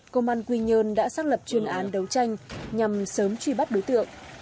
công an quy nhơn đã xác lập chuyên án đấu tranh nhằm sớm truy bắt đối tượng